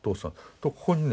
ここにね